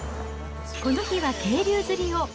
この日は渓流釣りを。